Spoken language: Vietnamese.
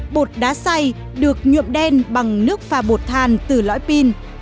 bột đá say được nhuộm đen bằng nước pha bột than từ lõi pin